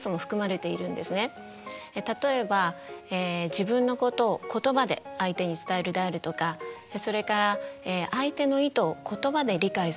例えば自分のことを言葉で相手に伝えるであるとかそれから相手の意図を言葉で理解するということが挙げられます。